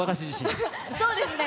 そうですね。